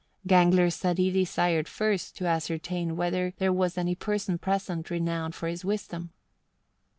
Gangler said he desired first to ascertain whether there was any person present renowned for his wisdom.